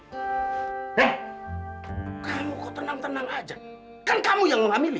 hah kamu kok tenang tenang aja kan kamu yang mengamili